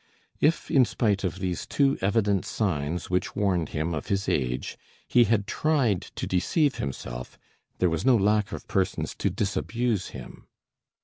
If, in spite of these too evident signs which warned him of his age, he had tried to deceive himself, there was no lack of persons to disabuse him.